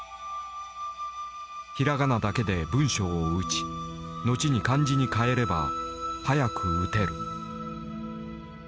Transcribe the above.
ひらがなだけで文章を打ち後に漢字に変えれば速く打てる。